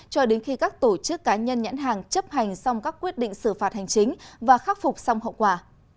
cho đến khi các tổ chức cá nhân nhãn hàng chấp hành xong các quyết định xử phạt hành chính và khắc phục xong hậu quả